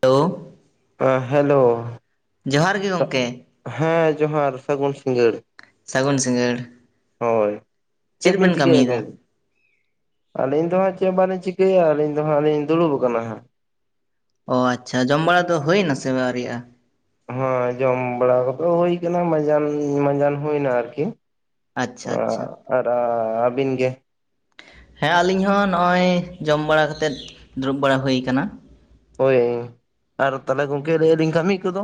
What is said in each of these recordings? Hello [unintelligible] ᱦᱮ hello ᱡᱚᱦᱟᱨ ᱜᱮ ᱜᱚᱝᱠᱮ ᱦᱮᱸ ᱡᱚᱦᱟᱨ ᱥᱟᱹᱜᱩᱱ ᱥᱤᱸᱜᱟᱹᱲ ᱾ ᱥᱟᱹᱜᱩᱱ ᱥᱤᱸᱜᱟᱹᱲ ᱾ ᱦᱳᱭ ᱪᱮᱫᱵᱤᱱ ᱪᱤᱠᱟᱹᱭᱟ ᱠᱟᱹᱢᱤᱭᱮᱫᱟ? ᱜᱚᱝ [unintelligible] ᱟᱹᱞᱤᱧ ᱫᱚ ᱦᱟᱸᱜ ᱪᱮᱜ ᱵᱟᱞᱤᱧ ᱪᱤᱠᱟᱹᱭᱟ ᱟᱹᱞᱤᱧ ᱫᱚ ᱦᱟᱸᱜ ᱞᱤᱧ ᱫᱩᱲᱩᱵ ᱟᱠᱟᱱᱟ ᱦᱟᱸᱜ ᱾ ᱚ ᱟᱪᱪᱷᱟ ᱡᱚᱢ ᱵᱟᱲᱟ ᱫᱚ ᱦᱩᱭᱮᱱᱟ ᱥᱮ ᱟᱣᱨᱤᱭᱟᱜᱼᱟ? ᱦᱮᱸ ᱡᱚᱢ ᱵᱟᱲᱟ ᱠᱚᱫᱚ ᱦᱩᱭ ᱠᱟᱱᱟ ᱢᱟᱡᱟᱱ ᱢᱟᱡᱟᱱ ᱦᱩᱭᱱᱟ ᱟᱨᱠᱤ ᱾ ᱟᱪᱪᱷᱟ ᱟᱪᱪᱷᱟ [unintelligible] ᱟᱨ ᱟᱵᱤᱱ ᱜᱮ? ᱦᱮᱸ ᱟᱞᱤᱧ ᱦᱚᱸ ᱱᱚᱜᱼᱚᱭ ᱡᱚᱢ ᱵᱟᱲᱟ ᱠᱟᱛᱮᱫ ᱫᱩᱲᱩᱵ ᱵᱟᱲᱟ ᱦᱩᱭ ᱠᱟᱱᱟ ᱾ ᱦᱳᱭ ᱟᱨ ᱛᱟᱞᱮ ᱜᱚᱝᱠᱮ ᱞᱟᱹᱭ ᱟᱞᱤᱧ ᱠᱟᱹᱢᱤ ᱠᱚᱫᱚ?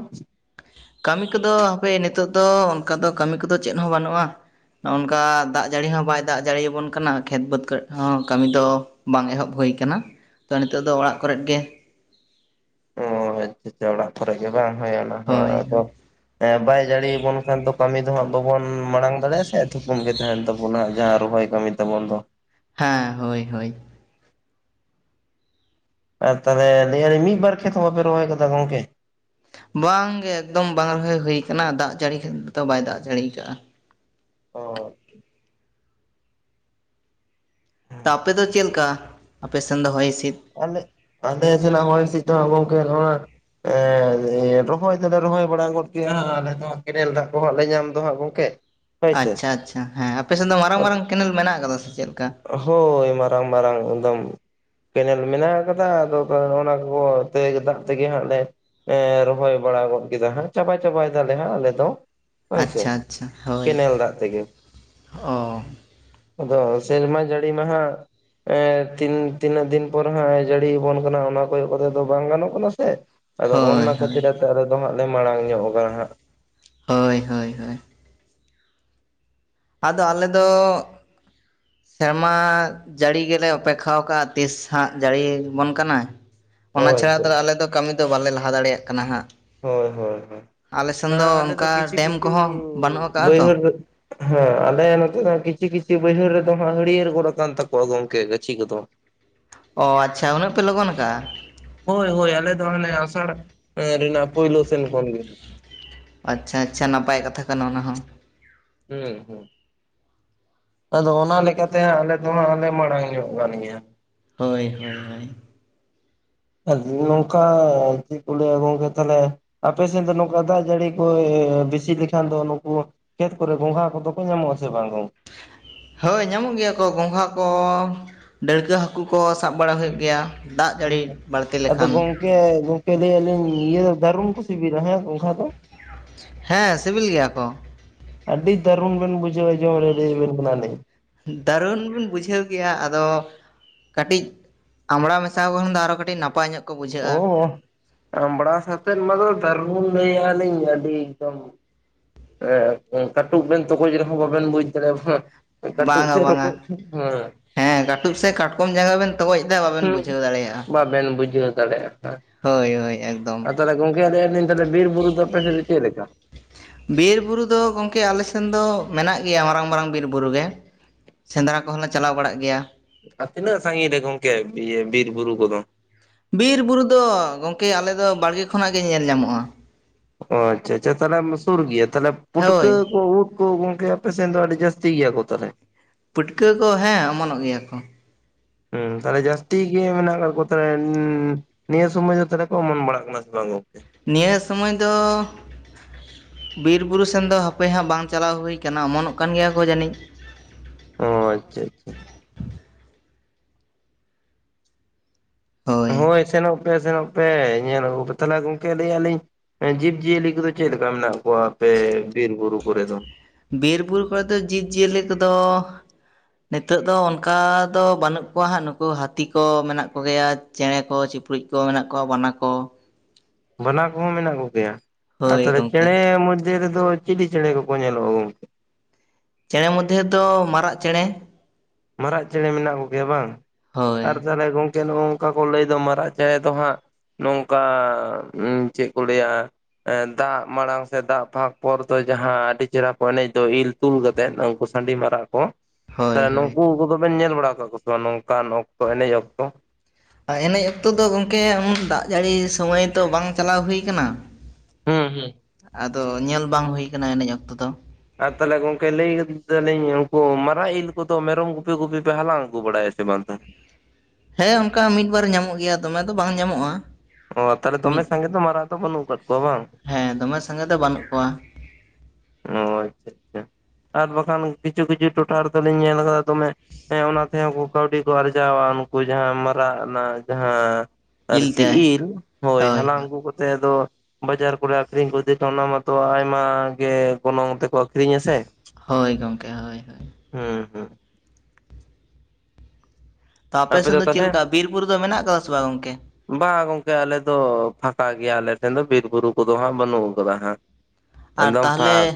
ᱠᱟᱹᱢᱤ ᱠᱚᱫᱚ ᱦᱟᱯᱮ ᱱᱤᱛᱚᱜ ᱫᱚ ᱚᱱᱠᱟ ᱫᱚ ᱠᱟᱹᱢᱤ ᱠᱚᱫᱚ ᱪᱮᱫ ᱦᱚᱸ ᱵᱟᱹᱱᱩᱜᱼᱟ ᱾ ᱱᱚᱜᱚᱝᱠᱟ ᱫᱟᱜ ᱡᱟᱹᱲᱤ ᱦᱚᱸ ᱵᱟᱭ ᱫᱟᱜ ᱡᱟᱹᱲᱤ ᱟᱵᱩᱱ ᱠᱟᱱᱟ ᱠᱷᱮᱛ ᱵᱟᱹᱫᱽ ᱠᱚᱨᱮᱜ ᱦᱚᱸ ᱠᱟᱹᱢᱤ ᱫᱚ ᱼᱼ ᱵᱟᱝ ᱮᱦᱚᱵ ᱦᱩᱭ ᱠᱟᱱᱟ ᱛᱚ ᱱᱤᱛᱚᱜ ᱫᱚ ᱚᱲᱟᱜ ᱠᱚᱨᱮᱫ ᱜᱮ ᱾ ᱚᱛᱮ ᱚᱲᱟᱜ ᱠᱚᱨᱮᱜ ᱜᱮ ᱵᱟᱝ ᱦᱳᱭ ᱟᱱᱟᱜ ᱦᱚᱸ ᱦᱳᱭ ᱟᱫᱚ ᱦᱳᱭ ᱼᱼ ᱮ ᱵᱟᱭ ᱡᱟᱹᱲᱤᱭ ᱟᱵᱚᱱ ᱠᱷᱟᱱ ᱫᱚ ᱠᱟᱹᱢᱤ ᱫᱚ ᱦᱟᱸᱜ ᱵᱟᱵᱚᱱ ᱢᱟᱲᱟᱝ ᱫᱟᱲᱮᱭᱟᱜᱼᱟ ᱥᱮ ᱛᱷᱩᱠᱩᱢ ᱜᱮ ᱛᱟᱦᱮᱱ ᱛᱟᱵᱚᱱᱟ ᱡᱟᱦᱟᱸ ᱨᱚᱦᱚᱭ ᱠᱟᱹᱢᱤ ᱼᱼ ᱛᱟᱵᱚᱱ ᱫᱚ ᱾ ᱦᱮᱸ ᱦᱳᱭ ᱦᱳᱭ ᱾ ᱟᱨ ᱛᱟᱞᱦᱮ ᱞᱟᱹᱭ ᱟᱹᱞᱤᱧ ᱢᱤᱫ ᱵᱟᱨ ᱠᱷᱮᱛ ᱦᱚᱸ ᱵᱟᱯᱮ ᱨᱚᱦᱚᱭ ᱠᱟᱫᱟ ᱜᱚᱝᱠᱮ? ᱵᱟᱝᱜᱮ ᱮᱠᱫᱚᱢ ᱵᱟᱝ ᱨᱚᱦᱚᱭ ᱦᱩᱭ ᱠᱟᱱᱟ ᱫᱟᱜ ᱡᱟᱹᱲᱤ [unintelligible] ᱵᱟᱭ ᱫᱟᱜ ᱡᱟᱹᱲᱤ ᱠᱟᱜᱼᱟ ᱾ ᱚ ᱛᱚ ᱟᱯᱮ ᱫᱚ ᱪᱮᱫ ᱞᱮᱠᱟ ᱟᱯᱮ ᱥᱮᱱ ᱫᱚ ᱦᱚᱭ ᱦᱤᱥᱤᱫ? ᱟᱞᱮ ᱟᱞᱮ ᱥᱮᱱᱚᱜ ᱦᱚᱭ ᱦᱤᱥᱤᱫ ᱫᱚᱦᱟᱸᱜ ᱜᱚᱝᱠᱮ ᱱᱚᱣᱟ ᱼᱼ ᱮ ᱨᱚᱦᱚᱭ ᱫᱚᱞᱮ ᱨᱚᱦᱚᱭ ᱵᱟᱲᱟ ᱜᱚᱫ ᱠᱮᱜ-ᱟ ᱟᱞᱮ ᱫᱚ ᱦᱟᱸᱜ ᱠᱮᱱᱮᱞ ᱫᱟᱜ ᱠᱚᱦᱟᱸᱜ ᱞᱮ ᱧᱟᱢ ᱫᱚ ᱦᱟᱸᱜ ᱼᱼ ᱠᱮ ᱼᱼ ᱟᱪᱪᱷᱟ ᱟᱪᱪᱷᱟ ᱦᱮᱸ ᱟᱯᱮᱥᱮᱱ ᱫᱚ ᱢᱟᱨᱟᱝ ᱢᱟᱨᱟᱝ ᱠᱮᱱᱮᱞ ᱢᱮᱱᱟᱜ ᱠᱟᱫᱟ ᱥᱮ ᱪᱮᱫ ᱞᱮᱠᱟ? ᱦᱳᱭ ᱢᱟᱨᱟᱝ ᱢᱟᱨᱟᱝ ᱮᱫᱚᱢ ᱾ ᱠᱮᱱᱮᱞ ᱢᱮᱱᱟᱜ ᱟᱠᱟᱫᱟ ᱟᱫᱚ [unintelligible] ᱚᱱᱟ ᱠᱚ ᱫᱟᱜ ᱛᱮᱜᱮ ᱦᱟᱸᱜ ᱞᱮ ᱼᱼ ᱨᱚᱦᱚᱭ ᱵᱟᱲᱟ ᱜᱚᱫ ᱠᱮᱫᱟ ᱦᱟᱸᱜ ᱪᱟᱵᱟ ᱪᱟᱵᱟᱭ ᱫᱟᱞᱮ ᱦᱟᱸᱜ ᱟᱞᱮ ᱫᱚ ᱾ ᱦᱳᱭ ᱟᱪᱪᱷᱟ ᱥᱮ ᱟᱪᱪᱷᱟ ᱦᱳᱭ ᱠᱮᱱᱮᱞ ᱫᱟᱜ ᱛᱮᱜᱮ ᱚ ᱟᱫᱚ ᱥᱮᱨᱢᱟ ᱡᱟᱹᱲᱤ ᱢᱟᱦᱟᱸᱜ ᱮᱸ ᱛᱤᱱ ᱛᱤᱱᱟᱹᱜ ᱫᱤᱱ ᱯᱚᱨ ᱦᱟᱸᱜ ᱮ ᱡᱟᱹᱲᱤᱭ ᱟᱵᱚᱱ ᱠᱟᱱᱟ ᱚᱱᱟ ᱠᱚᱭᱚᱜ ᱠᱟᱛᱮᱜ ᱫᱚ ᱵᱟᱝ ᱜᱟᱱᱚᱜ ᱠᱟᱱᱟ ᱥᱮ ᱾ ᱟᱫᱚ ᱦᱳᱭ ᱚᱱᱟ ᱦᱳᱭ ᱠᱷᱟᱹᱛᱤᱨ ᱟᱫᱚ ᱟᱞᱮ ᱫᱚ ᱦᱟᱸᱜ ᱞᱮ ᱢᱟᱲᱟᱝ ᱧᱚᱜ ᱠᱟᱱᱟ ᱦᱟᱸᱜ ᱾ ᱦᱳᱭ ᱦᱳᱭ ᱦᱳᱭ ᱾ ᱟᱫᱚ ᱟᱞᱮ ᱫᱚ ᱥᱮᱨᱢᱟ ᱡᱟᱹᱲᱤ ᱜᱮᱞᱮ ᱚᱯᱮᱠᱷᱟᱣ ᱠᱟᱜ-ᱟ ᱛᱤᱥᱦᱟᱸᱜ ᱡᱟᱹᱲᱤ ᱟᱵᱚᱱ ᱠᱟᱱᱟ ᱾ ᱚᱱᱟ ᱦᱳᱭ ᱪᱷᱟᱲᱟ ᱫᱚ ᱪᱮᱫ ᱟᱞᱮ ᱫᱚ ᱠᱟᱹᱢᱤ ᱫᱚ ᱵᱟᱞᱮ ᱞᱟᱦᱟ ᱫᱟᱲᱮᱭᱟᱜ ᱠᱟᱱᱟ ᱦᱟᱸᱜ ᱾ ᱦᱳᱭ ᱦᱳᱭ ᱦᱳ ᱦᱮᱸᱻ ᱟᱞᱮ ᱫᱚ ᱚᱱᱠᱟ ᱠᱤᱪᱷᱩ ᱰᱮᱢ ᱠᱤᱪᱷᱩ ᱠᱚᱦᱚᱸ ᱵᱟᱹᱱᱩᱜ ᱟᱠᱟᱜᱼᱟ ᱛᱚ ᱵᱟᱹᱭᱦᱟᱹᱲ ᱨᱮ ᱦᱮᱸ ᱟᱞᱮ ᱱᱚᱛᱮᱱᱟᱜ ᱠᱤᱪᱷᱤ - ᱠᱤᱪᱷᱤ ᱵᱟᱹᱭᱦᱟᱹᱲ ᱨᱮᱫᱚ ᱦᱟᱸᱜ ᱦᱟᱹᱲᱭᱟᱹᱨ ᱜᱚᱫ ᱟᱠᱟᱱ ᱛᱟᱠᱚᱣᱟ ᱜᱚᱝᱠᱮ ᱜᱟᱹᱪᱷᱤ ᱠᱚᱫᱚ ᱚ ᱟᱪᱪᱷᱟ ᱩᱱᱟᱹᱜ ᱯᱮ ᱞᱚᱜᱚᱱ ᱠᱟᱜᱼᱟ᱾ ᱦᱳᱭ - ᱦᱳᱭ ᱟᱞᱮ ᱫᱚ ᱦᱟᱱᱮ ᱟᱥᱟᱲ, ᱮᱸ ᱨᱮᱱᱟᱜ ᱯᱳᱭᱞᱳ ᱥᱮᱱ ᱠᱷᱚᱱ ᱜᱮ ᱟᱪᱪᱷᱟ - ᱟᱪᱪᱷᱟ ᱱᱟᱯᱟᱭ ᱠᱟᱛᱷᱟ ᱠᱟᱱᱟ ᱚᱱᱟ ᱦᱚᱸ ᱦᱩᱸ ᱦᱩᱸ ᱟᱫᱚ ᱚᱱᱟ ᱞᱮᱠᱟᱛᱮ ᱦᱟᱸᱜ ᱟᱞᱮ ᱫᱚ ᱦᱟᱸᱜ ᱞᱮ ᱢᱟᱲᱟᱝ ᱧᱚᱜ ᱠᱟᱱ ᱜᱮᱭᱟ᱾ ᱦᱳᱭ ᱦᱳᱭ ᱦᱚᱭ ᱟᱰᱤ ᱱᱚᱝᱠᱟ ᱪᱮᱫ ᱠᱳ ᱞᱮᱭᱟ ᱜᱚᱝᱠᱮ ᱛᱟᱦᱞᱮ ᱟᱯᱮ ᱥᱮᱸᱫ ᱱᱚᱠᱟ ᱫᱟᱜᱽ ᱡᱟᱹᱲᱤ ᱠᱚᱭᱻ ᱵᱤᱥᱤ ᱞᱮᱠᱷᱟᱱ ᱫᱚ ᱱᱩᱠᱩ ᱠᱷᱮᱛ ᱠᱚᱨᱮ ᱜᱚᱝᱜᱷᱟ ᱠᱚᱫᱚ ᱠᱚ ᱧᱟᱢᱚᱜ ᱟᱥᱮ ᱵᱟᱝ ᱜᱚᱝ ᱦᱳᱭ ᱧᱟᱢᱚᱜ ᱜᱮᱭᱟ ᱠᱚ ᱜᱚᱸᱜᱷᱟ ᱠᱚ ᱾ ᱰᱟᱹᱲᱠᱟᱹ ᱦᱟᱹᱠᱩ ᱠᱚ ᱥᱟᱵᱽ ᱵᱟᱲᱟ ᱦᱩᱭᱩᱜ ᱜᱮᱭᱟ ᱫᱟᱜ ᱦᱩᱸ ᱡᱟᱹᱲᱤ ᱵᱟᱹᱲᱛᱤ ᱟᱫᱚ ᱞᱮᱠᱷᱟᱱ ᱾ ᱜᱚᱝᱠᱮ ᱜᱚᱝᱠᱮ ᱞᱟᱹᱭ ᱟᱞᱤᱧ ᱤᱭᱟᱹ ᱫᱚ ᱫᱟᱨᱩᱱ ᱠᱩ ᱥᱤᱵᱤᱞᱟ ᱦᱮᱸ ᱜᱚᱸᱝᱜᱷᱟ ᱫᱚ? ᱦᱮᱸ ᱥᱤᱵᱤᱞ ᱜᱤᱭᱟ ᱠᱚ ᱟᱹᱰᱤ ᱫᱟᱹᱨᱩᱱ ᱵᱮᱱ ᱵᱩᱡᱷᱟᱹᱣᱟ ᱡᱚᱢ ᱨᱮ ᱞᱟᱹᱭ ᱟᱹᱵᱤᱱ ᱠᱟᱱᱟ ᱞᱤᱧ ᱫᱟᱨᱩᱱ ᱵᱤᱱ ᱵᱩᱡᱷᱟᱹᱣ ᱜᱮᱭᱟ ᱟᱫᱚ ᱠᱟᱹᱴᱤᱡᱽ ᱟᱢᱲᱟ ᱢᱮᱥᱟᱣ ᱠᱚᱱ ᱫᱚ ᱟᱨᱦᱚ ᱠᱟᱹᱴᱤᱡᱽ ᱱᱟᱯᱟᱭ ᱧᱚᱜ ᱠᱚ ᱵᱩᱡᱷᱟᱹᱜᱼᱟ᱾ ᱟᱢᱵᱲᱟ ᱥᱟᱛᱮᱫ ᱢᱟ ᱫᱚ ᱫᱟᱹᱨᱩᱱ ᱞᱟᱹᱭᱟᱞᱤᱧ ᱟᱹᱰᱤ ᱮᱠᱫᱚᱢ ᱮᱸ ᱠᱟᱴᱩᱵ ᱵᱮᱱ ᱛᱚᱜᱚᱡᱽ ᱨᱮᱦᱚᱸ ᱵᱟᱵᱮᱱ ᱵᱩᱡᱽ ᱫᱟᱲᱮᱣᱜ ᱦᱮᱸ ᱮ ᱠᱟᱹᱴᱩᱵ ᱵᱟᱝᱟ ᱥᱮ ᱵᱟᱝᱟ ᱨᱚᱠᱚᱡᱽ ᱦᱮᱸ ᱠᱟᱹᱴᱩᱵ ᱥᱮ ᱠᱟᱴᱠᱚᱢ ᱡᱟᱸᱜᱟ ᱵᱮᱱ ᱛᱚᱜᱚᱡ ᱮᱫᱟ ᱵᱟᱵᱮᱱ ᱵᱩᱡᱷᱟᱹᱣ ᱫᱟᱲᱮᱭᱟᱜᱼᱟ ᱦᱩᱸᱵᱟᱵᱮᱱ ᱵᱩᱡᱷᱟᱹᱣ ᱫᱟᱲᱮᱭᱟᱜᱼᱟ ᱦᱟ ᱦᱳᱭ ᱦᱳᱭ ᱮᱠᱫᱚᱢ ᱟ ᱛᱟᱦᱞᱮ ᱜᱚᱝᱠᱮ ᱟᱞᱤᱧ ᱛᱟᱦᱞᱮ ᱵᱤᱨ - ᱵᱩᱨᱩ ᱫᱚᱯᱮ ᱥᱮᱱ ᱫᱚ ᱪᱮᱫ ᱞᱮᱠᱟ? ᱵᱤᱨ ᱵᱩᱨᱩ ᱫᱚ ᱜᱚᱝᱠᱮ ᱟᱞᱮᱥᱮᱱ ᱫᱚ ᱢᱮᱱᱟᱜ ᱜᱮᱭᱟ ᱢᱟᱨᱟᱝ - ᱢᱟᱨᱟᱝ ᱵᱤᱨ ᱵᱩᱨᱩ ᱜᱮ ᱥᱮᱸᱫᱽᱨᱟ ᱠᱚᱦᱚᱸᱞᱮ ᱪᱟᱞᱟᱣ ᱵᱟᱲᱟᱜ ᱜᱮᱭᱟ᱾ ᱟᱨ ᱛᱤᱱᱟᱹᱜ ᱥᱟᱺᱜᱤᱧ ᱨᱮ ᱜᱚᱝᱠᱮ ᱤᱭᱟᱹ ᱵᱤᱨ - ᱵᱩᱨᱩ ᱠᱚᱫᱚ ᱵᱤᱨ - ᱵᱩᱨᱩ ᱫᱚ ᱜᱚᱝᱠᱮ ᱟᱞᱮ ᱫᱚ ᱵᱟᱲᱜᱮ ᱠᱷᱚᱱᱟᱜ ᱜᱮ ᱧᱮᱞ ᱧᱟᱢᱚᱜᱼᱟ᱾ ᱚᱸ ᱟᱪᱪᱷᱟ - ᱟᱪᱪᱷᱟ ᱛᱟᱞᱦᱮ ᱚᱢ ᱫᱚ ᱥᱩᱨ ᱜᱤᱭᱟᱹ ᱛᱟᱞᱦᱮ ᱯᱩᱴᱠᱟᱹ ᱦᱳᱭ ᱠᱚ ᱩᱫ ᱳ ᱜᱚᱝᱠᱮ ᱟᱯᱮ ᱥᱮᱱ ᱫᱚ ᱟᱹᱰᱤ ᱡᱟᱥᱛᱤ ᱜᱤᱭᱟᱹ ᱠᱚ ᱛᱟᱞᱦᱮ ᱯᱟᱹᱴᱠᱟᱹ ᱠᱚ ᱦᱮᱸ ᱚᱢᱚᱱᱚᱜ ᱜᱮᱭᱟ ᱠᱚ ᱦᱩᱸ ᱛᱟᱞᱦᱮ ᱡᱟᱹᱥᱛᱤ ᱜᱮ ᱢᱮᱱᱟᱜ ᱠᱟᱫ ᱠᱚ [unintelligible] ᱱᱤᱭᱟᱹ ᱥᱚᱢᱚᱭ ᱫᱚ ᱛᱟᱞᱮ ᱠᱚ ᱚᱢᱚᱱ ᱵᱟᱲᱟᱜ ᱠᱟᱱᱟ ᱥᱮ ᱵᱟᱝ ᱜᱚᱝᱠᱮ? ᱱᱤᱭᱟᱹ ᱥᱩᱢᱚᱭ ᱫᱚ ᱵᱤᱨᱼᱵᱩᱨᱩ ᱥᱮᱱ ᱫᱚ ᱦᱟᱯᱮ ᱦᱟᱸᱜ ᱵᱟᱝ ᱪᱟᱞᱟᱣ ᱦᱩᱭ ᱠᱟᱱᱟ ᱚᱢᱚᱱᱚᱜ ᱠᱟᱱ ᱜᱮᱭᱟ ᱠᱚ ᱡᱟᱹᱱᱤᱡᱽ ᱚᱸ ᱟᱪᱪᱷᱟ - ᱟᱪᱪᱷᱟ ᱦᱳᱭ ᱥᱮᱱᱚᱜ ᱯᱮ ᱥᱮᱱᱚᱜ ᱯᱮ ᱧᱮᱞ ᱟᱹᱜᱩ ᱛᱟᱞᱦᱮ ᱜᱚᱝᱠᱮ ᱞᱟᱹᱭᱟᱞᱤᱧ ᱮᱸ ᱡᱤᱵᱽ - ᱡᱤᱭᱟᱹᱞᱤ ᱠᱚᱫᱚ ᱪᱮᱫ ᱞᱮᱠᱟ ᱢᱮᱱᱟᱜ ᱠᱚᱣᱟ ᱟᱯᱮ ᱵᱤᱨ - ᱵᱩᱨᱩ ᱠᱚᱨᱮ ᱫᱚ? ᱵᱤᱨ - ᱵᱩᱨᱩ ᱠᱚᱨᱮ ᱫᱚ ᱡᱤᱵᱽ - ᱡᱤᱭᱟᱹᱞᱤ ᱠᱚᱫᱚ ᱱᱤᱛᱚᱜ ᱫᱚ ᱚᱱᱠᱟ ᱫᱚ ᱵᱩᱹᱱᱩᱜ ᱠᱚᱣᱟ ᱦᱟᱸᱜ ᱱᱩᱠᱩ ᱦᱟᱹᱛᱤ ᱠᱚ ᱢᱮᱱᱟᱜ ᱠᱚᱜᱮᱭᱟ ᱪᱮᱬᱮ ᱠᱚ - ᱪᱤᱯᱨᱩᱡ ᱠᱚ ᱢᱮᱱᱟᱜ ᱠᱚᱣᱟ ᱵᱟᱱᱟ ᱠᱚ ᱵᱟᱱᱟ ᱠᱚᱦᱚᱸ ᱢᱮᱱᱟᱜ ᱠᱚᱜᱮᱭᱟ, ᱟᱨ ᱦᱳᱭ ᱛᱟᱞᱦᱮ ᱜᱚᱢᱠᱮ ᱪᱮᱬᱮ ᱢᱩᱫᱽ ᱨᱮ ᱫᱚ ᱪᱤᱞᱤ ᱪᱮᱲᱮᱸ ᱠᱚᱠᱚ ᱧᱮᱞᱚᱜ - ᱟ ᱜᱚᱝᱠᱮ? ᱪᱮᱬᱮ ᱢᱚᱫᱽᱫᱷᱮ ᱫᱚᱻ ᱢᱟᱨᱟᱜ ᱪᱮᱬᱮ ᱢᱟᱨᱟᱜ ᱪᱮᱬᱮ ᱢᱮᱱᱟᱜ ᱠᱚᱜᱮᱭᱟ ᱵᱟᱝ, ᱦᱳᱭ ᱟᱨ ᱛᱟᱦᱞᱮ ᱜᱚᱝ ᱠᱮ ᱱᱚᱜ-ᱚ ᱱᱚᱝᱠᱟ ᱠᱚ ᱞᱟᱹᱭ ᱫᱚ ᱢᱟᱨᱟᱜ ᱪᱮᱬᱮ ᱫᱚ ᱦᱟᱸᱜ ᱱᱚᱝᱠᱟ ᱪᱮᱫ ᱠᱚ ᱞᱟᱹᱭᱟᱻ ᱫᱟᱜ ᱢᱟᱲᱟᱝ ᱥᱮ ᱫᱟᱜ ᱯᱷᱟᱠ ᱯᱚᱨ ᱫᱚ ᱡᱟᱦᱟᱸᱻ ᱟᱹᱰᱤ ᱪᱮᱦᱨᱟ ᱠᱚ ᱮᱱᱮᱡ ᱫᱚ ᱤᱞ ᱛᱩᱞ ᱠᱟᱛᱮᱮᱫ ᱩᱱᱠᱩ ᱥᱟᱺᱰᱤ ᱢᱟᱨᱟᱜ ᱠᱚᱻ ᱦᱳᱭ ᱦᱳᱭ ᱱᱩᱠᱩ ᱠᱚᱫᱚ ᱵᱮᱱ ᱧᱮᱞ ᱵᱟᱲᱟ ᱠᱟᱜ ᱠᱚ ᱥᱮ ᱵᱟᱝ ᱱᱚᱝᱠᱟᱱ ᱚᱠᱛᱚ ᱮᱱᱮᱡ ᱚᱠᱛᱚ ᱮᱱᱮᱡ ᱚᱠᱛᱚ ᱫᱚ ᱜᱚᱝᱠᱮ ᱫᱟᱜ ᱡᱟᱹᱲᱤ ᱥᱚᱢᱚᱭ ᱛᱚ ᱵᱟᱝ ᱪᱟᱞᱟᱣ ᱦᱩᱭ ᱠᱟᱱᱟ ᱦᱩᱸ ᱦᱩᱸ ᱟᱫᱚ ᱧᱮᱞ ᱵᱟᱝ ᱦᱩᱭ ᱠᱟᱱᱟ ᱮᱱᱮᱡ ᱚᱠᱛᱚ ᱫᱚ ᱟᱨ ᱛᱟᱦᱚᱞᱮ ᱜᱚᱝᱠᱮ ᱞᱟᱹᱭ ᱮᱫᱟ ᱞᱤᱧ ᱩᱱᱠᱩ ᱢᱟᱨᱟᱜ ᱤᱞ ᱠᱚᱫᱚ ᱢᱮᱨᱚᱢ ᱜᱩᱯᱤ ᱜᱩᱯᱤ ᱯᱮ ᱦᱟᱞᱟᱝ ᱟᱹᱜᱩ ᱵᱟᱲᱟᱭᱟ ᱥᱮ ᱵᱟᱝ ᱛᱟᱦᱚᱞᱮ ᱦᱮᱸ ᱚᱱᱠᱟ ᱢᱤᱫ ᱵᱟᱨ ᱧᱟᱢᱚᱜ ᱜᱮᱭᱟ ᱫᱚᱢᱮ ᱫᱚ ᱵᱟᱝ ᱧᱟᱢᱚᱜ-ᱟ᱾ ᱚ ᱛᱟᱦᱚᱞᱮ ᱫᱚᱢᱮ ᱥᱟᱸᱜᱮ ᱫᱚ ᱢᱟᱨᱟᱝ ᱫᱚ ᱵᱟᱹᱱᱩᱜ ᱠᱟᱜ ᱠᱚᱣᱟ ᱵᱟᱝ ᱦᱮᱸ ᱫᱚᱢᱮ ᱥᱟᱸᱜᱮ ᱫᱚ ᱵᱟᱹᱱᱩᱜ ᱠᱚᱣᱟ ᱚ ᱟᱪᱪᱷᱟ [inaudible] ᱟᱪᱪᱷᱟ ᱟᱨ ᱵᱟᱠᱷᱟᱱ ᱠᱤᱪᱷᱩ ᱠᱤᱪᱷᱩ ᱴᱚᱴᱷᱟ ᱨᱮᱫᱚ ᱞᱤᱧ ᱧᱮᱞ ᱠᱟᱫᱟ ᱫᱚᱢᱮ ᱦᱮᱸ ᱚᱱᱟ ᱛᱮᱦᱚᱸ ᱩᱱᱠᱩ ᱠᱟᱹᱣᱰᱤ ᱠᱚ ᱟᱨᱡᱟᱣᱟ ᱩᱱᱠᱩ ᱡᱟᱦᱟᱸ ᱢᱟᱨᱟᱜ ᱱᱟᱜ ᱡᱟᱦᱟᱸ ᱤᱞ ᱟᱨᱠᱤ ᱛᱮ ᱤᱞ ᱦᱳᱭ ᱦᱟᱞᱟᱝ ᱟᱹᱜᱩ ᱠᱟᱛᱮ ᱟᱫᱚ ᱵᱟᱡᱟᱨ ᱠᱚᱨᱮ ᱟᱠᱷᱨᱤᱧ ᱠᱚ ᱤᱫᱤ ᱛᱮ ᱚᱱᱟ ᱢᱟᱛᱚ ᱟᱭᱢᱟ ᱜᱮ ᱜᱚᱱᱚᱝ ᱛᱮᱠᱚ ᱟᱠᱷᱨᱤᱧᱟ ᱥᱮ ᱦᱳᱭ ᱜᱚᱝᱠᱮ ᱦᱳᱭ ᱦᱳᱭ ᱦᱩᱸ ᱦᱩᱸ ᱛᱚ ᱟᱯᱮ ᱥᱮᱱ ᱫᱚ ᱪᱮᱞᱠᱟ ᱵᱤᱨ - ᱵᱩᱨᱩ ᱫᱚ ᱢᱮᱱᱟᱜ ᱠᱟᱫᱟ ᱥᱮ ᱵᱟᱝ ᱜᱚᱝᱠᱮ ᱵᱟᱝᱟ ᱜᱚᱝᱠᱮ ᱟᱞᱮ ᱫᱚ ᱯᱷᱟᱠᱟ ᱜᱮᱭᱟᱞᱮ ᱴᱷᱮᱱ ᱫᱚ ᱵᱤᱨ - ᱵᱩᱨᱩ ᱠᱚᱫᱚ ᱦᱟᱸᱜ ᱵᱟᱹᱱᱩᱜ ᱟᱠᱟᱫᱟ ᱦᱟᱸᱜ ᱟᱨ ᱮᱠᱫᱚᱢ ᱛᱟᱦᱞᱮ ᱯᱷᱟᱸᱠ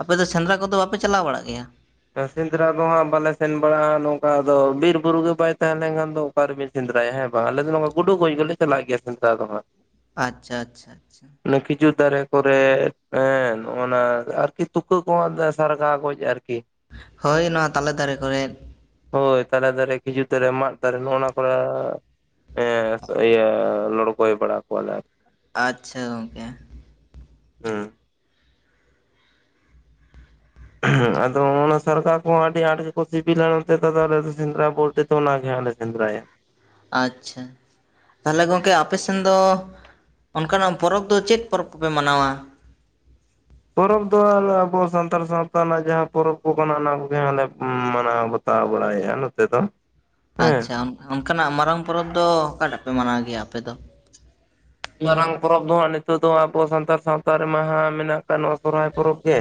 ᱟᱯᱮ ᱫᱚ ᱥᱮᱸᱫᱽᱨᱟ ᱠᱚᱫᱚ ᱵᱟᱯᱮ ᱪᱟᱞᱟᱣ ᱵᱟᱲᱟᱜ ᱜᱮᱭᱟ ᱥᱮᱸᱫᱽᱨᱟ ᱫᱚ ᱦᱟᱸᱜ ᱵᱟᱞᱮ ᱥᱮᱱ ᱵᱟᱲᱟᱜ-ᱟ ᱱᱚᱝᱠᱟ ᱟᱫᱚ ᱵᱤᱨ ᱵᱩᱨᱩ ᱜᱮ ᱵᱟᱭ ᱛᱟᱦᱮᱸ ᱞᱮᱱᱠᱷᱟᱱ ᱫᱚ ᱚᱠᱟ ᱨᱮ ᱵᱤᱱ ᱥᱮᱸᱫᱽᱨᱟᱭᱟ ᱦᱮᱸ ᱵᱟᱝ ᱟᱞᱮ ᱫᱚ ᱱᱚᱣᱟ ᱜᱩᱰᱩ ᱜᱚᱡ ᱜᱮᱞᱮ ᱪᱟᱞᱟᱜ ᱜᱮᱭᱟ ᱥᱮᱸᱫᱽᱨᱟ ᱫᱚ ᱦᱟᱸᱜ ᱟᱪᱪᱷᱟ ᱟᱪᱪᱷᱟ ᱟᱪᱪᱷᱟ ᱠᱷᱤᱡᱩᱨ ᱫᱟᱨᱮ ᱠᱚᱨᱮ ᱮᱸ ᱱᱚᱜ ᱱᱟ ᱟᱨᱠᱤ ᱛᱩᱠᱟᱹ ᱠᱚᱦᱚᱸ ᱥᱟᱨᱜᱟ ᱜᱚᱡ ᱟᱨᱠᱤ ᱦᱳᱭ ᱱᱚᱣᱟ ᱛᱟᱞᱮ ᱫᱟᱨᱮ ᱠᱚᱨᱮᱫ ᱦᱳᱭ ᱛᱟᱞᱮ ᱫᱟᱨᱮ, ᱠᱷᱤᱡᱩᱨ ᱫᱟᱨᱮ, ᱢᱟᱫ ᱫᱟᱨᱮ ᱱᱚᱜ ᱚᱱᱟ ᱠᱚᱨᱮ ᱦᱮᱸ ᱤᱭᱟᱹ ᱞᱚᱲᱠᱚᱭ ᱵᱟᱲᱟ ᱠᱚᱣᱟᱞᱮ ᱟᱨᱠᱤ ᱟᱪᱪᱷᱟ ᱜᱚᱝᱠᱮ ᱦᱩᱸ ᱟᱫᱚ ᱚᱱᱟ ᱥᱟᱨᱜᱟ ᱠᱚᱦᱚᱸ ᱟᱹᱰᱤ ᱟᱸᱴ ᱜᱮᱠᱚ ᱥᱤᱵᱤᱞᱟ ᱱᱚᱱᱛᱮ ᱫᱚ ᱛᱟᱦᱚᱞᱮ ᱫᱚ ᱥᱮᱸᱫᱽᱨᱟ [unintelligible] ᱥᱮᱫ ᱚᱱᱟ ᱜᱮ ᱦᱟᱸᱜ ᱞᱮ ᱥᱮᱸᱫᱽᱨᱟᱭᱟ ᱟᱪᱪᱷᱟ ᱛᱟᱦᱚᱞᱮ ᱜᱚᱝᱠᱮ ᱟᱯᱮ ᱥᱮᱱ ᱫᱚ ᱚᱱᱠᱟᱱᱟᱜ ᱯᱚᱨᱚᱵᱽ ᱫᱚ ᱪᱮᱫ ᱯᱚᱨᱚᱵᱽ ᱠᱚᱯᱮ ᱢᱟᱱᱟᱣᱟ? ᱯᱚᱨᱚᱵᱽ ᱫᱚ ᱟᱞᱮ ᱟᱵᱚ ᱥᱟᱱᱛᱟᱲ ᱥᱟᱶᱛᱟ ᱨᱮᱱᱟᱜ ᱡᱟᱦᱟᱸ ᱯᱚᱨᱚᱵᱽ ᱠᱚ ᱠᱟᱱᱟ ᱚᱱᱟ ᱠᱚᱜᱮ ᱦᱟᱸᱜ ᱞᱮ ᱢᱟᱱᱟᱣ ᱵᱟᱛ ᱛᱟᱣ ᱵᱟᱲᱟᱭᱮᱜ-ᱟ ᱱᱚᱛᱮ ᱫᱚ ᱦᱮᱸ ᱟᱪᱪᱷᱟ ᱚᱱᱠᱟᱱᱟᱜ ᱢᱟᱨᱟᱝ ᱯᱚᱨᱚᱵᱽ ᱫᱚ ᱚᱠᱟ ᱴᱟᱜ ᱯᱮ ᱢᱟᱱᱟᱣ ᱜᱮᱭᱟ ᱟᱯᱮ ᱫᱚ? ᱢᱟᱨᱟᱝ ᱯᱚᱨᱚᱵᱽ ᱫᱚ ᱦᱟᱸᱜ ᱱᱤᱛᱚᱜ ᱫᱚ ᱟᱵᱚ ᱥᱟᱱᱛᱟᱲ ᱥᱟᱶᱛᱟ ᱨᱮᱢᱟ ᱦᱟᱸᱜ ᱢᱮᱱᱟᱜ ᱠᱟᱱ ᱱᱚᱣᱟ ᱥᱚᱨᱦᱟᱭ ᱯᱚᱨᱚᱵᱽ ᱜᱮ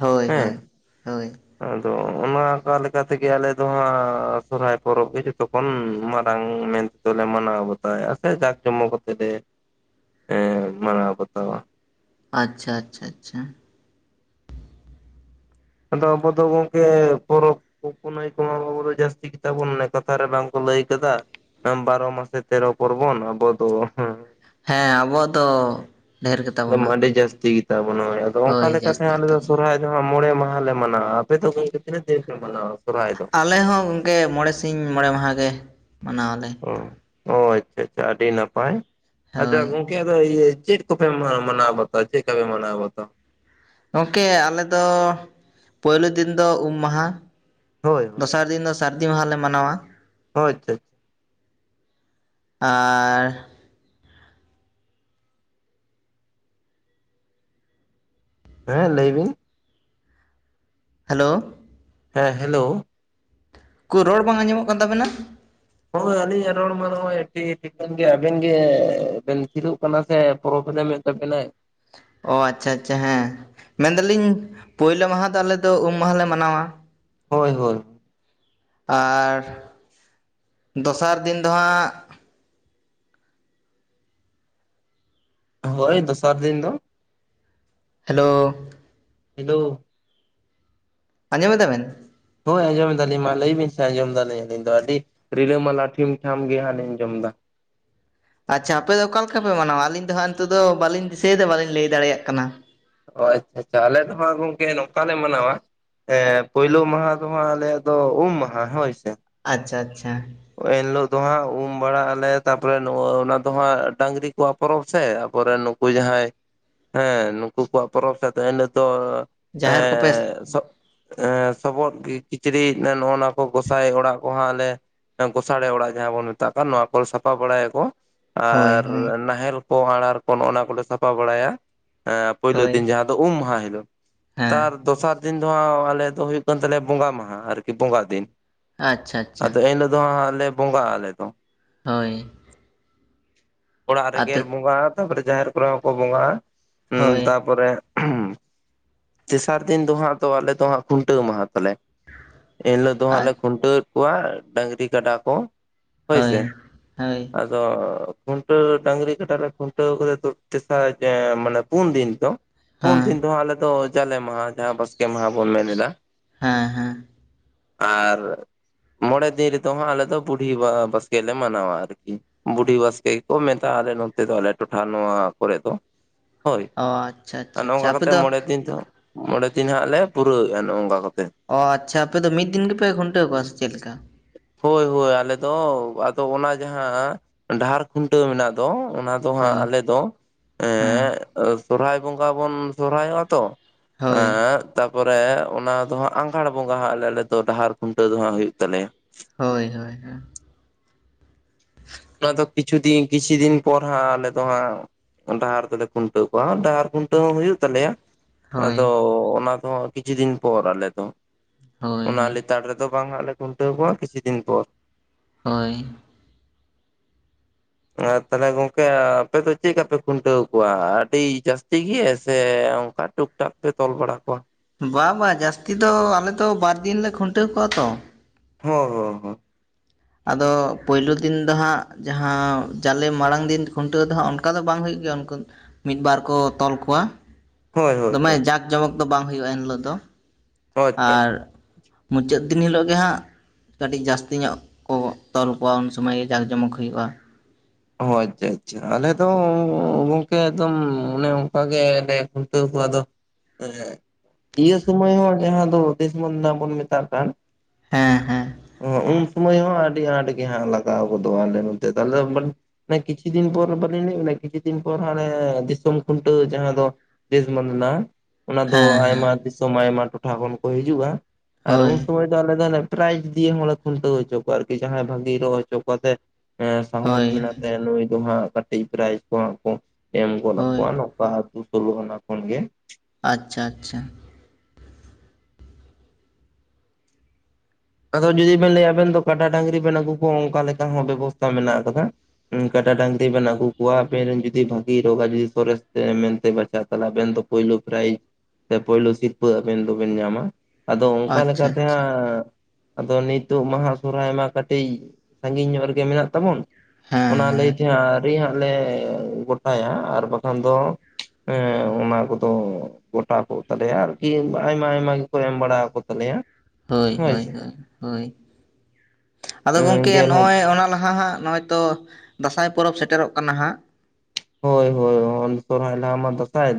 ᱦᱳᱭ ᱦᱮᱸ ᱦᱳᱭ ᱦᱳᱭ ᱟᱫᱚ ᱚᱱᱟ ᱟᱠᱟ ᱞᱮᱠᱟ ᱛᱮᱜᱮ ᱟᱞᱮ ᱫᱚ ᱦᱟᱸᱜ ᱥᱚᱨᱦᱟᱭ ᱯᱚᱨᱚᱵᱽ ᱜᱮ ᱡᱚᱛᱚ ᱠᱷᱚᱱ ᱢᱟᱨᱟᱝ ᱢᱮᱱ ᱛᱚᱞᱮ ᱢᱟᱱᱟᱣ ᱵᱟᱛᱟᱣᱮᱜ-ᱟ ᱥᱮ ᱡᱷᱟᱠ ᱡᱚᱢᱚᱠ ᱠᱚᱛᱮ ᱯᱮ ᱮᱸ ᱢᱟᱱᱟᱣ ᱵᱟᱛᱟᱣᱟ ᱟᱪᱪᱷᱟ ᱟᱪᱪᱷᱟ ᱟᱪᱪᱷᱟ ᱟᱫᱚ ᱟᱵᱚ ᱫᱚ ᱜᱚᱝᱠᱮ ᱯᱚᱨᱚᱵᱽ ᱠᱚ ᱯᱩᱱᱟᱹᱭ ᱠᱚᱢᱟ ᱵᱚᱸᱜᱟ ᱵᱩᱨᱩ ᱫᱚ ᱡᱟᱹᱥᱛᱤ ᱜᱮᱛᱟ ᱵᱚᱱ ᱚᱱᱮ ᱠᱟᱛᱷᱟ ᱨᱮ ᱵᱟᱝ ᱠᱚ ᱞᱟᱹᱭ ᱟᱠᱟᱫᱟ ᱵᱟᱨᱚ ᱢᱟᱥᱮ ᱛᱮᱨᱚ ᱯᱚᱨᱵᱚᱱ ᱟᱵᱚ ᱫᱚ ᱦᱮᱸ ᱟᱵᱚ ᱫᱚ ᱰᱷᱮᱨ ᱜᱮᱛᱟ ᱮᱠᱫᱚᱢ ᱵᱚᱱᱟ ᱟᱹᱰᱤ ᱡᱟᱹᱥᱛᱤ ᱜᱮᱛᱟ ᱵᱚᱱ ᱦᱳᱭ ᱟᱫᱚ ᱚᱱᱠᱟ ᱞᱮᱠᱟ ᱛᱮ ᱡᱟᱹᱥᱛᱤ ᱟᱞᱮ ᱜᱮᱛᱟ ᱵᱚᱱᱟ ᱥᱚᱨᱦᱟᱭ ᱟᱞᱮ ᱫᱚ ᱦᱟᱸᱜ ᱢᱚᱬᱮ ᱢᱟᱦᱟ ᱞᱮ ᱢᱟᱱᱟᱣᱟ ᱟᱯᱮ ᱫᱚ ᱜᱚᱝᱠᱮ ᱛᱤᱱᱟᱹᱜ ᱫᱤᱱ ᱯᱮ ᱢᱟᱱᱟᱣᱟ ᱥᱚᱨᱦᱟᱭ ᱫᱚ? ᱟᱞᱮ ᱦᱚᱸ ᱜᱚᱝᱠᱮ ᱢᱚᱬᱮ ᱥᱤᱧ ᱢᱚᱬᱮ ᱢᱟᱦᱟᱸ ᱜᱮ ᱢᱟᱱᱟᱣᱟᱞᱮ ᱚ ᱚ ᱟᱪᱪᱷᱟ ᱟᱪᱪᱷᱟ ᱟᱹᱰᱤ ᱱᱟᱯᱟᱭ ᱟᱪᱪᱷᱟ ᱦᱳᱭ ᱜᱚᱝᱠᱮ ᱜᱚᱝᱠᱮ ᱤᱭᱟᱹ ᱪᱮᱫ ᱠᱚᱯᱮ ᱢᱟᱱᱟ ᱢᱟᱱᱟᱣ ᱵᱟᱛᱟᱣᱟ ᱪᱮᱫ ᱠᱚᱯᱮ ᱢᱟᱱᱟᱣ ᱵᱟᱛᱟᱣᱟ? ᱜᱚᱝᱠᱮ ᱟᱞᱮ ᱫᱚ ᱯᱳᱭᱞᱳ ᱫᱤᱱ ᱫᱚ ᱩᱢ ᱢᱟᱦᱟ ᱦᱳᱭ ᱦᱳᱭ ᱫᱚᱥᱟᱨ ᱫᱤᱱ ᱫᱚ ᱥᱟᱹᱨᱫᱤ ᱢᱟᱦᱟᱸ ᱞᱮ ᱢᱟᱱᱟᱣᱟ ᱳ ᱟᱪᱪᱷᱟ ᱟᱨᱻ ᱦᱮᱸ ᱞᱟᱹᱭ ᱵᱤᱱ ᱦᱮᱞᱳ ᱦᱮᱸ ᱦᱮᱞᱳ ᱩᱠᱩᱨ ᱨᱚᱲ ᱵᱟᱝ ᱟᱸᱡᱚᱢᱚᱜ ᱠᱟᱱ ᱛᱟᱵᱮᱱᱟ ᱦᱚᱸ ᱟᱹᱞᱤᱧᱟᱜ ᱨᱚᱲ ᱢᱟ ᱱᱚᱜᱼᱚᱭ ᱟᱹᱰᱤ ᱴᱷᱤᱠᱟᱹᱱ ᱜᱮ ᱟᱵᱮᱱ ᱜᱮ ᱵᱤᱱ ᱛᱷᱤᱨᱚᱜ ᱠᱟᱱᱟ ᱥᱮ ᱯᱚᱨᱚᱵᱮᱞᱮᱢᱼᱼ ᱛᱟᱹᱵᱤᱱᱟᱭ ᱚ ᱟᱪᱪᱷᱟ ᱟᱪᱪᱷᱟ ᱦᱮᱸ ᱢᱮᱱ ᱫᱟᱹᱞᱤᱧ ᱯᱳᱭᱞᱳ ᱢᱟᱦᱟᱸ ᱫᱚ ᱟᱞᱮ ᱫᱚ ᱩᱢ ᱢᱟᱦᱟᱸ ᱞᱮ ᱢᱟᱱᱟᱣᱟ ᱦᱳᱭ ᱦᱳᱭ ᱟᱨ ᱫᱚᱥᱟᱨ ᱫᱤᱱ ᱫᱚ ᱦᱟᱸᱜ ᱦᱳᱭ ᱫᱚᱥᱟᱨ ᱫᱤᱱ ᱫᱚ ᱦᱮᱞᱳ ᱦᱮᱞᱳ ᱟᱸᱡᱚᱢ ᱮᱫᱟ ᱵᱮᱱ ᱦᱳᱭ ᱟᱸᱡᱚᱢ ᱮᱫᱟ ᱞᱤᱧ ᱢᱟ ᱞᱟᱹᱭ ᱵᱤᱱ ᱥᱮ ᱟᱸᱡᱚᱢ ᱮᱫᱟ ᱞᱤᱧ ᱟᱹᱞᱤᱧ ᱫᱚ ᱟᱹᱰᱤ ᱨᱤᱞᱟᱹ ᱢᱟᱞᱟ ᱴᱷᱤᱢ ᱴᱷᱟᱢ ᱜᱮ ᱦᱟᱸᱜ ᱞᱤᱧ ᱟᱸᱡᱚᱢ ᱮᱫᱟ ᱟᱪᱪᱷᱟ ᱟᱯᱮ ᱫᱚ ᱚᱠᱟ ᱞᱮᱠᱟ ᱯᱮ ᱢᱟᱱᱟᱣᱟ ᱟᱹᱞᱤᱧ ᱫᱚ ᱦᱟᱸᱜ ᱱᱤᱛᱚᱜ ᱫᱚ ᱵᱟᱹᱞᱤᱧ ᱫᱤᱥᱟᱹᱭᱮᱫᱟ ᱵᱟᱹᱞᱤᱧ ᱞᱟᱹᱭ ᱫᱟᱲᱮᱭᱟᱜ ᱠᱟᱱᱟ ᱚ ᱟᱪᱪᱷᱟ ᱟᱪᱪᱷᱟ ᱟᱞᱮ ᱫᱚ ᱦᱟᱸᱜ ᱜᱚᱝᱠᱮ ᱱᱚᱝᱠᱟ ᱞᱮ ᱢᱟᱱᱟᱣᱟ ᱦᱮᱸ ᱯᱳᱭᱞᱳ ᱢᱟᱦᱟᱸ ᱫᱚ ᱦᱟᱸᱜ ᱟᱞᱮᱭᱟᱜ ᱫᱚ ᱩᱢ ᱢᱟᱦᱟ ᱦᱚᱭ ᱥᱮ ᱟᱪᱪᱷᱟ ᱟᱪᱪᱷᱟ ᱦᱚᱭ ᱮᱱ ᱦᱤᱞᱳᱜ ᱫᱚ ᱦᱟᱸᱜ ᱩᱢ ᱵᱟᱲᱟᱜ ᱟᱞᱮ ᱛᱟᱯᱚᱨᱮ ᱱᱚᱜ ᱚᱱᱟ ᱫᱚ ᱦᱟᱸᱜ ᱰᱟᱝᱨᱤ ᱠᱚᱣᱟᱜ ᱯᱚᱨᱚᱵᱽ ᱥᱮ ᱟᱵᱚ ᱨᱮᱱ ᱩᱱᱠᱩ ᱡᱟᱦᱟᱸᱭ ᱦᱮᱸ ᱱᱩᱠᱩ ᱠᱚᱣᱟᱜ ᱯᱚᱨᱚᱵᱽ [unintelligible] ᱛᱟᱦᱮᱱᱟ ᱛᱚ ᱡᱟᱦᱮᱨ ᱠᱚᱯᱮ [unintelligible] ᱥᱚᱵᱚᱫ ᱠᱤᱪᱨᱤᱡ ᱱᱚᱜᱼᱱᱟ ᱠᱚ ᱜᱚᱸᱥᱟᱭ ᱚᱲᱟᱜ ᱠᱚ ᱦᱟᱸᱜ ᱞᱮ ᱜᱚᱥᱟᱲᱮ ᱚᱲᱟᱜ ᱡᱟᱦᱟᱸ ᱵᱚᱱ ᱢᱮᱛᱟᱜ ᱱᱚᱣᱟ ᱠᱚ ᱥᱟᱯᱷᱟ ᱵᱟᱲᱟᱭᱟᱠᱚ ᱦᱳᱭ ᱟᱨ ᱦᱳᱭ ᱱᱟᱦᱮᱞ ᱟᱨᱟᱬ ᱠᱚ ᱱᱚᱜ-ᱱᱟ ᱠᱚᱞᱮ ᱥᱟᱯᱷᱟ ᱵᱟᱲᱟᱭᱟ ᱯᱩᱭᱞᱳ ᱦᱳᱭ ᱫᱤᱱ ᱡᱟᱦᱟᱸ ᱫᱚ ᱩᱢ ᱢᱟᱦᱟ ᱦᱤᱞᱳᱜ ᱛᱟᱨ ᱦᱮᱸ ᱫᱚᱥᱟᱨ ᱫᱤᱱ ᱫᱚ ᱦᱟᱸᱜ ᱟᱞᱮ ᱫᱚ ᱦᱩᱭᱩᱜ ᱠᱟᱱ ᱛᱟᱞᱮᱭᱟ ᱵᱚᱸᱜᱟ ᱢᱟᱦᱟ ᱟᱨᱠᱤ ᱵᱚᱸᱜᱟ ᱫᱤᱱ ᱟᱪᱪᱷᱟ ᱟᱪᱪᱷᱟ ᱮᱱ ᱦᱤᱞᱳᱜ ᱫᱚᱞᱮ ᱦᱟᱸᱜ ᱵᱚᱸᱜᱟᱜ ᱟᱞᱮ ᱫᱚ ᱦᱳᱭ ᱚᱲᱟᱜ ᱨᱮ ᱜᱮᱨ ᱟᱫᱚ ᱵᱚᱸᱜᱟᱜ ᱛᱟᱯᱚᱨᱮ ᱡᱟᱦᱮᱨ ᱠᱚᱨᱮ ᱦᱚᱸᱠᱚ ᱵᱚᱸᱜᱟᱜ-ᱟ ᱦᱮᱸ ᱦᱳᱭ ᱛᱟᱯᱚᱨᱮ ᱛᱮᱥᱟᱨ ᱫᱤᱱ ᱫᱚ ᱦᱟᱸᱜ ᱟᱞᱮ ᱫᱚ ᱦᱟᱸᱜ ᱠᱷᱩᱱᱴᱟᱹᱣ ᱢᱟᱦᱟ ᱛᱟᱞᱮ ᱮᱱ ᱦᱤᱞᱳᱜ ᱫᱚ ᱦᱟᱸᱜ ᱟᱡ ᱞᱮ ᱠᱷᱩᱱᱴᱟᱹᱣᱮᱫ ᱠᱚᱣᱟ ᱰᱟᱹᱝᱨᱤ ᱠᱟᱰᱟ ᱠᱚ ᱦᱚᱭ ᱦᱳᱭ ᱥᱮ ᱦᱳᱭ ᱟᱨᱼᱼ ᱟᱫᱚ ᱠᱷᱩᱱᱴᱟᱹᱣ ᱰᱟᱹᱝᱨᱤ ᱠᱟᱴᱟ ᱨᱮ ᱠᱷᱩᱱᱴᱟᱹᱣ ᱠᱚᱨᱮ ᱛᱮᱥᱟᱨ ᱢᱟᱱᱮ ᱯᱩᱱ ᱫᱤᱱ ᱫᱚ ᱯᱩᱱ ᱦᱮᱸ ᱫᱤᱱ ᱫᱚᱦᱟᱸᱜ ᱟᱞᱮ ᱫᱚ ᱡᱟᱞᱮ ᱢᱟᱦᱟᱸ ᱡᱟᱦᱟᱸ ᱵᱟᱥᱠᱮ ᱢᱟᱦᱟᱸ ᱵᱚᱱ ᱢᱮᱱ ᱮᱫᱟ ᱦᱮᱸ ᱦᱮᱸ ᱟᱨ ᱢᱚᱬᱮᱼᱼ ᱫᱤᱱ ᱨᱮᱫᱚ ᱵᱩᱰᱦᱤ [unintelligible] ᱵᱟᱥᱠᱮ ᱞᱮ ᱢᱟᱱᱟᱣᱟ ᱟᱨᱠᱤ ᱵᱩᱰᱷᱤ ᱵᱟᱥᱠᱮ ᱜᱮᱠᱚ ᱢᱮᱛᱟᱜ-ᱟ ᱟᱞᱮ ᱱᱚᱛᱮ ᱫᱚ ᱟᱞᱮ ᱴᱚᱴᱷᱟ ᱱᱚᱣᱟ ᱠᱚᱨᱮ ᱫᱚ ᱦᱳᱭ ᱚ ᱟᱪᱪᱷᱟ ᱟᱨ ᱟᱪᱪᱷᱟ ᱟᱪᱪᱷᱟ ᱱᱚᱝᱠᱟ ᱟᱯᱮ ᱠᱟᱛᱮᱫ ᱫᱚ ᱢᱚᱬᱮ ᱫᱤᱱ ᱫᱚ ᱢᱚᱬᱮ ᱫᱤᱱ ᱦᱟᱸᱜ ᱞᱮ ᱯᱩᱨᱟᱹᱣᱮᱜᱼᱟ ᱱᱚᱜ ᱱᱚᱝᱠᱟ ᱠᱟᱛᱮ ᱚ ᱟᱪᱪᱷᱟ ᱟᱯᱚ ᱢᱤᱫ ᱫᱤᱱ ᱜᱮᱯᱮ ᱠᱷᱩᱱᱴᱟᱹᱣ ᱠᱚᱣᱟ ᱥᱮ ᱪᱮᱫ ᱞᱮᱠᱟ ᱦᱳᱭ ᱦᱳᱭ ᱟᱞᱮ ᱫᱚ ᱟᱫᱚ ᱚᱱᱟ ᱡᱟᱦᱟᱸ ᱰᱟᱦᱟᱨ ᱠᱷᱩᱱᱴᱟᱹᱣ ᱢᱮᱱᱟᱜ ᱫᱚ ᱚᱱᱟ ᱫᱚ ᱟ ᱫᱚ ᱦᱟᱸᱜ ᱦᱳᱭ ᱟᱞᱮ ᱫᱚ ᱮ ᱦᱮᱸ ᱥᱚᱨᱚᱦᱦᱟᱭ ᱵᱚᱸᱜᱟ ᱵᱚᱱ ᱥᱚᱨᱦᱟᱭᱚᱜ-ᱟ ᱛᱚ ᱦᱳᱭ ᱟᱨ ᱛᱟᱯᱚᱨᱮ ᱚᱱᱟ ᱫᱚ ᱦᱟᱸᱜ ᱟᱸᱜᱷᱟᱲ ᱵᱚᱸᱜᱟ ᱦᱟᱸᱜ ᱟ ᱟᱞᱮ ᱫᱚ ᱰᱟᱦᱟᱨ ᱠᱷᱩᱱᱴᱟᱹᱣ ᱫᱚ ᱦᱟᱸᱜ ᱦᱩᱭᱩᱜ ᱛᱟᱞᱮᱭᱟ ᱦᱳᱭ ᱦᱳᱭ [inaudible] ᱚᱱᱟ ᱫᱚ ᱠᱤᱪᱷᱩ ᱫᱤᱱ ᱠᱤᱪᱷᱩ ᱫᱤᱱ ᱯᱚᱨ ᱦᱟᱸᱜ ᱟᱞᱮ ᱫᱚ ᱦᱟᱸᱜ ᱰᱟᱦᱟᱨ ᱛᱟᱞᱮ ᱠᱷᱩᱱᱴᱟᱹᱣ ᱠᱚᱣᱟ ᱰᱟᱦᱟᱨ ᱠᱷᱩᱱᱴᱟᱹᱣ ᱦᱚ ᱦᱩᱭᱩᱜ ᱛᱟᱞᱮᱭᱟ ᱦᱳᱭ ᱟᱫᱚ ᱚᱱᱟ ᱫᱚᱦᱚᱜ ᱠᱤᱪᱷᱩ ᱫᱤᱱ ᱯᱚᱨ ᱟᱞᱮ ᱫᱚ ᱦᱳᱭ ᱚᱱᱟ ᱦᱳᱭ ᱞᱮᱛᱟᱲ ᱨᱮᱫᱚ ᱵᱟᱝ ᱦᱟᱸᱜ ᱞᱮ ᱠᱷᱩᱱᱴᱟᱹᱣ ᱠᱚᱣᱟ ᱠᱤᱪᱷᱩ ᱫᱤᱱ ᱯᱚᱨ ᱦᱳᱭ ᱟᱨ ᱛᱟᱦᱚᱞᱮ ᱜᱚᱝᱠᱮ ᱟᱯᱮ ᱫᱚ ᱪᱮᱫ ᱠᱟᱯᱮ ᱠᱷᱩᱱᱴᱟᱹᱣ ᱠᱚᱣᱟ ᱟᱹᱰᱤ ᱡᱟᱹᱥᱛᱤ ᱜᱮ ᱥᱮ ᱚᱱᱠᱟ ᱴᱩᱠ ᱮᱴᱟᱜ ᱯᱮ ᱛᱚᱞ ᱵᱟᱲᱟ ᱠᱚᱣᱟ ᱵᱟᱝ ᱵᱟᱝ ᱡᱟᱹᱥᱛᱤ ᱫᱚ ᱟᱞᱮᱫᱚ ᱵᱟᱨ ᱫᱤᱱ ᱞᱮ ᱠᱷᱩᱱᱴᱟᱹᱣ ᱠᱚᱜᱣᱟ ᱛᱚ ᱦᱚ ᱦᱚ ᱟᱫᱚ ᱯᱳᱭᱞᱳ ᱫᱤᱱ ᱫᱚ ᱦᱟᱸᱜ ᱡᱟᱦᱟᱸ ᱡᱟᱞᱮ ᱢᱟᱲᱟᱝ ᱫᱤᱱ ᱠᱷᱩᱱᱴᱟᱹᱣ ᱫᱚ ᱦᱟᱸᱜ ᱚᱱᱠᱟ ᱫᱚ ᱵᱟᱝ ᱦᱩᱭᱩᱜ ᱜᱮᱭᱟ ᱱᱠᱩ ᱢᱤᱫᱵᱟᱨ ᱠᱚ ᱛᱚᱞ ᱠᱚᱣᱟ ᱦᱳᱭ ᱦᱳᱭ ᱫᱚᱢᱮ ᱡᱟᱠ ᱡᱚᱢᱚᱠ ᱫᱚ ᱵᱟᱝ ᱦᱩᱭᱩᱜ-ᱟ ᱮᱱᱦᱤᱞᱳᱜ ᱫᱚ ᱦᱳᱭ ᱟᱪᱪᱷᱟ ᱟᱨ ᱟᱪᱪᱷᱟ ᱢᱩᱪᱟᱹᱫ ᱫᱤᱱ ᱦᱤᱞᱳᱜ ᱜᱮ ᱦᱟᱸᱜ ᱠᱟᱹᱴᱤᱡ ᱡᱟᱹᱥᱛᱤ ᱧᱚᱜ ᱠᱚ ᱛᱚᱞ ᱠᱚᱣᱟ ᱩᱱ ᱥᱩᱢᱟᱹᱭ ᱡᱟᱠ ᱡᱚᱢᱚᱠ ᱦᱩᱭᱩᱜ-ᱟ ᱚ ᱟᱪᱪᱷᱟ ᱟᱪᱪᱷᱟ ᱟᱞᱮ ᱫᱚ ᱜᱚᱝᱠᱮ ᱮᱠᱫᱚᱢ ᱚᱱᱮ ᱚᱱᱠᱟ ᱜᱮᱞᱮ ᱠᱷᱩᱱᱴᱟᱹᱣ ᱠᱚᱣᱟ ᱟᱫᱚ ᱮᱜ ᱤᱭᱟᱹ ᱥᱚᱢᱚᱭ ᱦᱚᱸ ᱡᱟᱦᱟᱸ ᱫᱚ [unintelligible] ᱵᱚᱱ ᱢᱮᱛᱟᱜ ᱠᱟᱱ ᱦᱮᱸ ᱦᱮᱸ ᱚ ᱩᱱ ᱥᱚᱢᱚᱭ ᱦᱚᱸ ᱟᱹᱰᱤ ᱟᱸᱴ ᱜᱮ ᱦᱟᱸᱜ ᱞᱟᱜᱟᱣ ᱜᱚᱫᱚᱜ-ᱟ ᱟᱞᱮ ᱱᱚᱛᱮ ᱛᱟᱦᱞᱮ ᱠᱤᱪᱷᱩ ᱫᱤᱱ ᱯᱚᱨ ᱵᱟᱹᱞᱤᱧ ᱞᱟᱹᱭ-ᱟᱜ ᱵᱤᱱᱟ ᱠᱤᱪᱷᱩ ᱫᱤᱱ ᱯᱚᱨ ᱦᱟᱱᱮ ᱫᱤᱥᱚᱢ ᱠᱷᱩᱱᱴᱟᱹᱣ ᱡᱟᱦᱟᱸ ᱫᱚ ᱫᱮᱥ ᱢᱮᱱᱟᱜ-ᱟ ᱚᱱᱟ ᱫᱚ ᱦᱮᱸ ᱦᱮᱸ ᱟᱭᱢᱟ ᱫᱤᱥᱚᱢ ᱟᱭᱢᱟ ᱴᱚᱴᱷᱟ ᱠᱷᱚᱱ ᱠᱚ ᱦᱤᱡᱩᱜ-ᱟ ᱟᱨ ᱦᱳᱭ ᱩᱱ ᱥᱩᱢᱚᱭ ᱫᱚ ᱟᱞᱮ ᱫᱚᱞᱮ ᱯᱨᱟᱭᱤᱡᱽ ᱫᱤᱭᱮ ᱦᱚᱸᱞᱮ ᱠᱷᱩᱱᱴᱟᱹᱣ ᱦᱚᱪᱚ ᱠᱚᱣᱟ ᱟᱨᱠᱤ ᱡᱟᱦᱟᱸᱭ ᱵᱷᱟᱜᱤ ᱨᱚᱦᱚᱜ ᱦᱚᱪᱚ ᱠᱚᱣᱟᱛᱮ ᱮ ᱥᱟᱦᱚᱥ ᱦᱳᱭ ᱢᱮᱱᱟᱜ ᱦᱳᱭ ᱛᱟᱭᱟ ᱱᱩᱭ ᱫᱚ ᱦᱟᱸᱜ ᱠᱟᱴᱤᱡ ᱯᱨᱟᱭᱤᱡ ᱠᱚ ᱦᱟᱸᱜ ᱠᱚ ᱮᱢ ᱜᱚᱫ ᱦᱳᱭ ᱟᱠᱚᱣᱟ ᱱᱚᱝᱠᱟ ᱟᱹᱛᱩ ᱥᱳᱞᱳ ᱟᱱᱟ ᱠᱷᱚᱱᱜᱮ ᱟᱪᱪᱷᱟ ᱟᱪᱪᱷᱟ ᱟᱫᱚ ᱡᱩᱫᱤ ᱵᱮᱱ ᱞᱟᱹᱭᱟ ᱟᱵᱮᱱ ᱫᱚ ᱠᱟᱰᱟ ᱰᱟᱹᱝᱨᱤ ᱵᱮᱱ ᱟᱹᱜᱩ ᱠᱚᱣᱟ ᱚᱱᱠᱟ ᱞᱮᱠᱟ ᱦᱚᱸ ᱵᱮᱵᱚᱥᱛᱛᱟ ᱢᱮᱱᱟᱜ ᱟᱠᱟᱫᱟ ᱠᱟᱰᱟ ᱰᱟᱝᱨᱤ ᱵᱮᱱ ᱟᱹᱜᱩ ᱠᱚᱣᱟ ᱟᱵᱮᱱ ᱨᱮᱱ ᱡᱩᱫᱤ ᱵᱷᱟᱹᱜᱤ ᱨᱳᱜᱟ ᱡᱤ ᱥᱚᱨᱮᱥ ᱢᱮᱱᱛᱮ ᱵᱟᱪᱟᱜ-ᱟ ᱟᱵᱮᱱ ᱫᱚ ᱯᱳᱭᱞᱳ ᱯᱨᱟᱭᱤᱡᱽ ᱥᱮ ᱯᱳᱭᱞᱳ ᱥᱤᱨᱯᱟᱹ ᱟᱵᱮᱱ ᱫᱚᱵᱮᱱ ᱧᱟᱢᱟ ᱟᱫᱚ ᱚᱱᱠᱟ ᱟᱪᱪᱷᱟ ᱞᱮᱠᱟᱛᱮ ᱟᱪᱪᱷᱟ ᱦᱟᱜ ᱟᱫᱚ ᱱᱤᱛᱚᱜ ᱢᱟᱦᱟ ᱥᱚᱦᱚᱨᱟᱭ ᱢᱟ ᱠᱟᱹᱴᱤᱡ ᱥᱟᱜᱤᱧ ᱧᱚᱜ ᱨᱮᱜᱮ ᱢᱮᱱᱟᱜ ᱛᱟᱵᱚᱱ ᱦᱮᱸ ᱚᱱᱟ ᱦᱮᱸ ᱞᱟᱹᱭᱛᱮ ᱜᱟᱸᱜ ᱟᱹᱣᱨᱤ ᱦᱟᱸᱜ ᱞᱮ ᱜᱚᱴᱟᱭᱟ ᱟᱨ ᱵᱟᱠᱷᱟᱱ ᱫᱚ ᱦᱮᱸ ᱚᱱᱟ ᱠᱚᱫᱚ ᱜᱚᱴᱟ ᱠᱚ ᱛᱟᱞᱮᱭᱟ ᱟᱨᱠᱤ ᱟᱭᱢᱟ ᱟᱭᱢᱟ ᱜᱮᱠᱚ ᱮᱢ ᱵᱟᱲᱟ ᱠᱚ ᱛᱟᱞᱮᱭᱟ ᱦᱳᱭ ᱦᱳᱭ ᱦᱳᱭ ᱟᱫᱚ ᱜᱚᱢᱠᱮ ᱜᱮᱞ ᱦᱟᱡᱟᱨ ᱱᱚᱜ-ᱚᱭ ᱚᱱᱟ ᱞᱟᱦᱟ ᱦᱟᱸᱜ ᱱᱚᱜ-ᱚᱭ ᱛᱚ ᱫᱟᱸᱥᱟᱭ ᱯᱚᱨᱚᱵᱽ ᱥᱮᱴᱮᱨᱚᱜ ᱠᱟᱱᱟ ᱦᱟᱸᱜ ᱦᱳᱭ ᱦᱳᱭ ᱥᱚᱨᱦᱟᱭ ᱞᱟᱦᱟ ᱢᱟ ᱫᱟᱥᱟᱭ